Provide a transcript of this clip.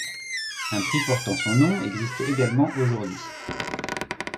Un prix portant son nom existe également aujourd'hui.